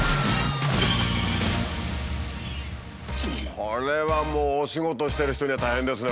これはもうお仕事してる人には大変ですね